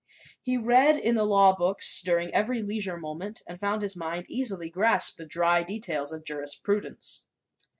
He read in the law books during every leisure moment and found his mind easily grasped the dry details of jurisprudence.